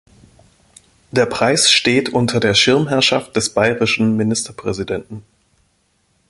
Der Preis steht unter der Schirmherrschaft des Bayerischen Ministerpräsidenten.